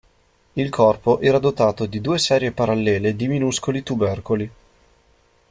Il corpo era dotato di due serie parallele di minuscoli tubercoli.